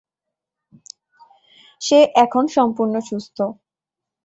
সে এখন সম্পূর্ণ সুস্থ।